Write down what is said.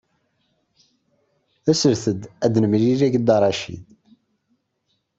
Aset-d ad nemlil ad Dda Racid.